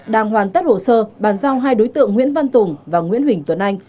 đang hoàn tất hồ sơ bàn giao hai đối tượng nguyễn văn tùng và nguyễn huỳnh tuấn anh